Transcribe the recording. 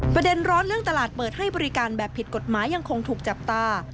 ประเด็นร้อนเรื่องตลาดเปิดให้บริการแบบผิดกฎหมายยังคงถูกจับตา